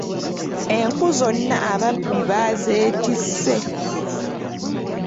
Enku zonna ababbi baazeetisse.